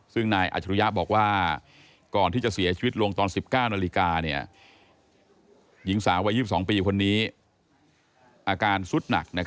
ซึ่งนายอัชรุยะบอกว่าก่อนที่จะเสียชีวิตลงตอน๑๙นาฬิกาหญิงสาววัย๒๒ปีคนนี้อาการสุดหนัก